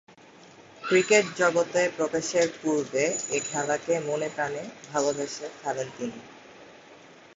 Cricket জগতে প্রবেশের পূর্বে এ খেলাকে মনে-প্রাণে ভালোবেসে ফেলেন তিনি।